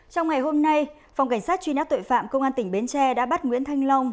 trong ngày hôm nay phòng cảnh sát truy nã tội phạm công an tỉnh bến tre đã bắt nguyễn thanh long